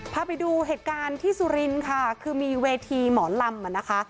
พาไปดูเหตุการณ์ที่สุรินทร์ค่ะคือมีเวทีหมอลำอ่ะนะคะ